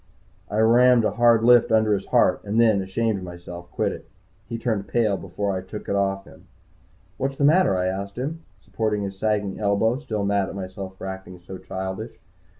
I rammed a hard lift under his heart, and then, ashamed of myself, quit it. He turned pale before I took it off him. "What's the matter?" I asked him, supporting his sagging elbow, still mad at myself for acting so childish.